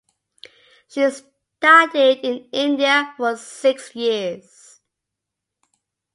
She studied in India for six years.